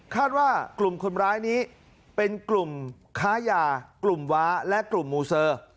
ว่ากลุ่มคนร้ายนี้เป็นกลุ่มค้ายากลุ่มว้าและกลุ่มมูเซอร์